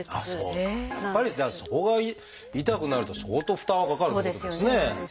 やっぱりじゃあそこが痛くなると相当負担はかかるっていうことですね。